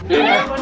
iya pak deh